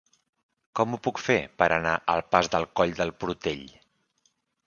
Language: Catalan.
Com ho puc fer per anar al pas del Coll del Portell?